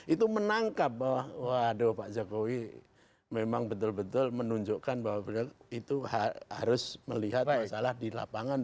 itu menangkap bahwa waduh pak jokowi memang betul betul menunjukkan bahwa itu harus melihat masalah di lapangan